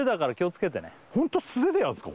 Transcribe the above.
ホント素手でやんすか？